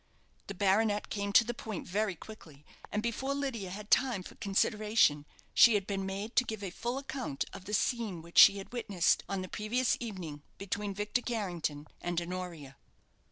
The baronet came to the point very quickly, and before Lydia had time for consideration, she had been made to give a full account of the scene which she had witnessed on the previous evening between Victor Carrington and Honoria.